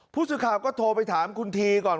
ผู้สื่อข่าวก็โทรไปถามคุณทีก่อน